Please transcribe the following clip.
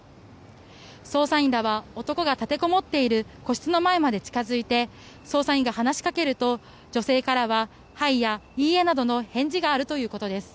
捜査員らは男が立てこもっている個室の前まで近付いて捜査員が話しかけると女性からは、はいやいいえなどの返事があるということです。